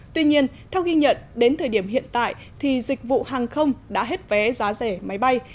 tuy nhiên theo ghi nhận đến thời điểm hiện tại thì dịch vụ hàng không đã hết vé giá rẻ máy bay